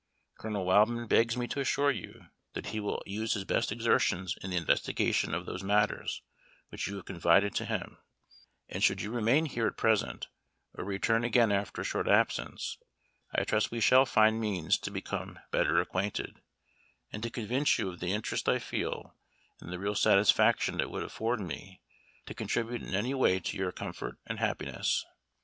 Colonel Wildman begs me to assure you that he will use his best exertions in the investigation of those matters which you have confided to him, and should you remain here at present, or return again after a short absence, I trust we shall find means to become better acquainted, and to convince you of the interest I feel, and the real satisfaction it would afford me to contribute in any way to your comfort and happiness.